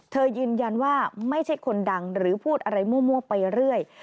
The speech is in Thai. ยืนยันว่าไม่ใช่คนดังหรือพูดอะไรมั่วไปเรื่อย